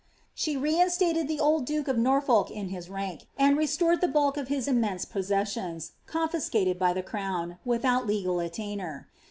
She reinsiRted the old duke of Norfolk in his rank, and restored ihe bulk of his immense possessions, conliscated by the crown, without legal allamder.